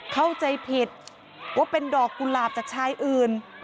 เข้าใจผิดว่าเป็นดอกกุหลาบจากชายอื่น